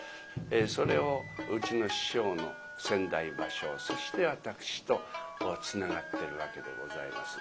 それをうちの師匠の先代馬生そして私とつながってるわけでございます。